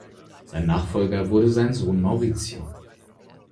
Sein Nachfolger wurde sein Sohn Mauricio.